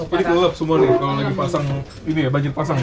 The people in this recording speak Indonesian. ini gelap semua nih kalau lagi pasang ini ya banjir pasang ya